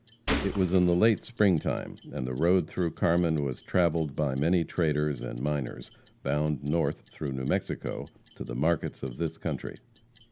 It was in the late spring time and the road through Carmen was travelled by many traders and miners, bound north through New Mexico, to the markets of this country.